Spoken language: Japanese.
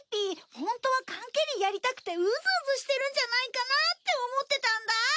本当は缶蹴りやりたくてうずうずしてるんじゃないかなって思ってたんだ。